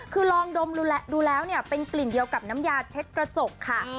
คือลองดมดูแล้วเนี่ยเป็นกลิ่นเดียวกับน้ำยาเช็ดกระจกค่ะ